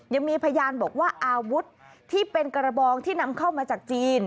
ยังมีพยานบอกว่าอาวุธที่เป็นกระบองที่นำเข้ามาจากจีน